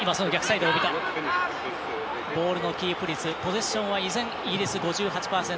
ボールのキープ率ポゼッションは、依然イギリス、５８％。